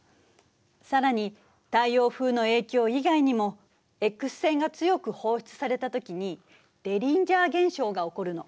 更に太陽風の影響以外にもＸ線が強く放出されたときにデリンジャー現象が起こるの。